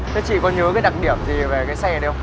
thế chị có nhớ cái đặc điểm gì về cái xe này không